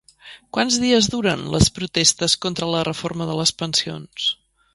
Quants dies duren les protestes contra la reforma de les pensions?